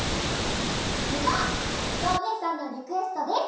それじゃああつこおねえさんのリクエストです。